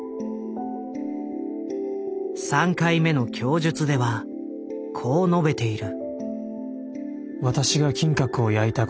３回目の供述ではこう述べている。